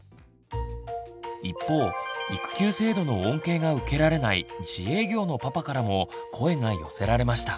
一方育休制度の恩恵が受けられない自営業のパパからも声が寄せられました。